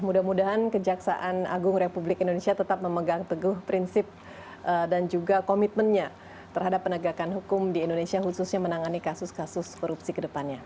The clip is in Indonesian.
mudah mudahan kejaksaan agung republik indonesia tetap memegang teguh prinsip dan juga komitmennya terhadap penegakan hukum di indonesia khususnya menangani kasus kasus korupsi ke depannya